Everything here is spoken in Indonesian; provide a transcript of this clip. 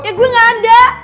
ya gue gak ada